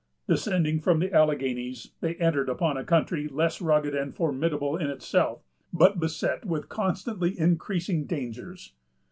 Descending from the Alleghanies, they entered upon a country less rugged and formidable in itself, but beset with constantly increasing dangers.